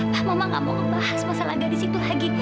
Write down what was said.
pa mama nggak mau ngebahas masalah gadis itu lagi